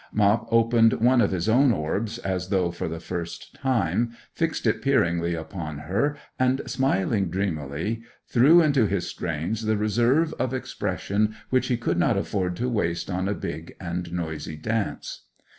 Mop opened one of his own orbs, as though for the first time, fixed it peeringly upon her, and smiling dreamily, threw into his strains the reserve of expression which he could not afford to waste on a big and noisy dance.